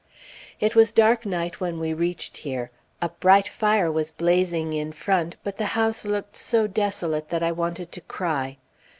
It was dark night when we reached here. A bright fire was blazing in front, but the house looked so desolate that I wanted to cry.